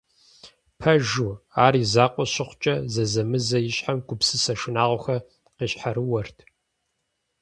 Пэжу, ар и закъуэ щыхъукӏэ, зэзэмызэ и щхьэм гупсысэ шынагъуэхэр къищхьэрыуэрт.